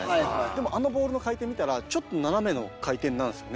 でもあのボールの回転見たらちょっと斜めの回転なんですよね。